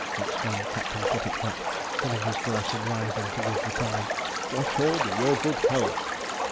exclaimed Captain Cutitfat, filling his glass and rising to give the time; 'Watchorn, your good health!'